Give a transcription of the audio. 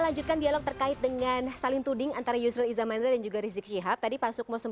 mungkin pak muhammad tadi kalau misalnya di proses hukum